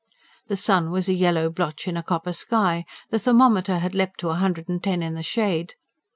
The sun was a yellow blotch in a copper sky; the thermometer had leapt to a hundred and ten in the shade.